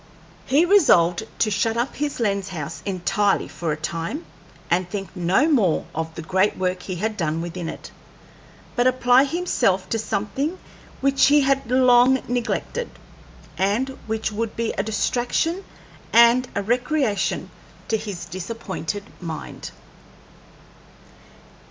He resolved to shut up his lens house entirely for a time, and think no more of the great work he had done within it, but apply himself to something which he had long neglected, and which would be a distraction and a recreation to his disappointed mind.